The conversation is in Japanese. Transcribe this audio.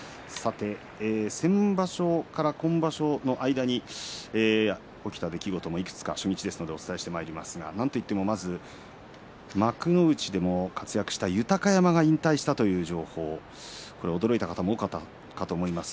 先場所から今場所の間に起きた出来事もいくつか初日ですのでお伝えしてまいりますがなんといってもまず幕内でも活躍した豊山が引退したという情報驚いた方も多かったかと思います。